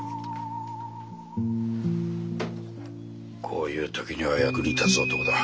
こういう時には役に立つ男だ。